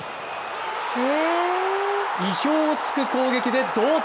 意表を突く攻撃で同点。